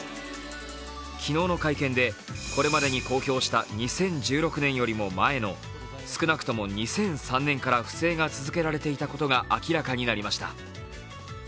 昨日の会見でこれまでに公表した２０１６年よりも前の少なくとも２００３年から不正が続けられていたことが明らかになりました。